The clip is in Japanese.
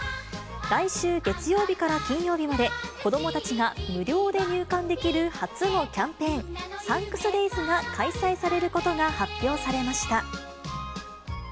来週月曜日から金曜日まで、子どもたちが無料で入館できる初のキャンペーン、サンクスデイズが開催されることが発表されました。